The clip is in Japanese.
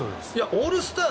オールスター